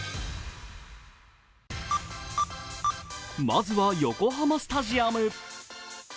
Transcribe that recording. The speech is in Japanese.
まずは横浜スタジアム。